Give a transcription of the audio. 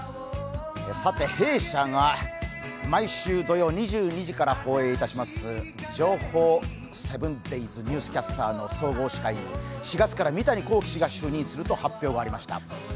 さて、弊社が毎週土曜２２時から放映いたします「情報７ｄａｙｓニュースキャスター」の総合司会に４月から三谷幸喜氏が就任すると発表がありました。